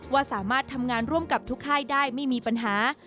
ว่าสามารถทำงานร่วมกับทุกค่ายได้ไม่มีปัญหา